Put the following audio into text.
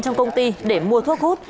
trong công ty để mua thuốc hút